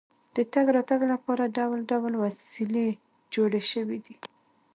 د تګ راتګ لپاره ډول ډول وسیلې جوړې شوې دي.